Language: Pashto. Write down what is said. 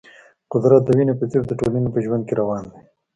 قدرت د وینې په څېر د ټولنې په ژوند کې روان دی.